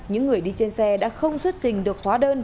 những người đi trên xe đã không xuất trình được hóa đơn